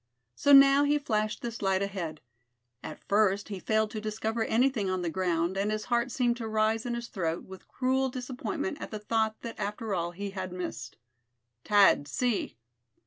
So now he flashed this light ahead. At first he failed to discover anything on the ground, and his heart seemed to rise in his throat with cruel disappointment at the thought that after all he had missed. "Tad, see!"